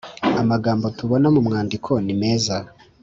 amagambo tubona mu mwandiko ni meza